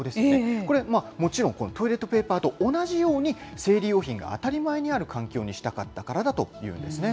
これ、もちろん、このトイレットペーパーと同じように、生理用品が当たり前にある環境にしたかったからだというんですね。